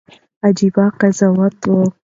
عجيبه قضاوت